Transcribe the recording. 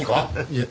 いえ。